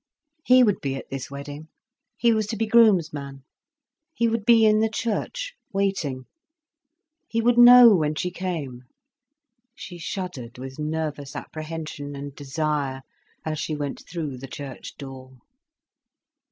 He would be at this wedding; he was to be groom's man. He would be in the church, waiting. He would know when she came. She shuddered with nervous apprehension and desire as she went through the church door.